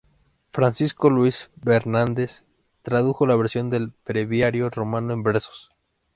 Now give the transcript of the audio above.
Francisco Luis Bernárdez, tradujo la versión del Breviario Romano en versos.